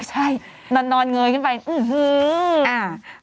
ใช่นอนเงยขึ้นไปอื้อหืออ่า